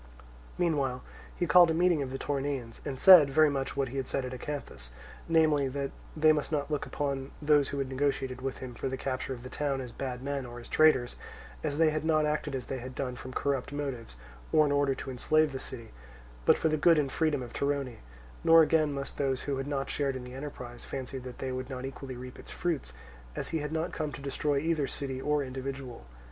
Meanwhile he called a meeting of the Toronaeans, and said very much what he had said at Acanthus, namely, that they must not look upon those who had negotiated with him for the capture of the town as bad men or as traitors, as they had not acted as they had done from corrupt motives or in order to enslave the city, but for the good and freedom of Torone; nor again must those who had not shared in the enterprise fancy that they would not equally reap its fruits, as he had not come to destroy either city or individual.